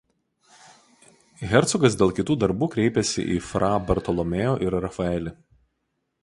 Hercogas dėl kitų darbų kreipėsi į Fra Bartolomeo ir Rafaelį.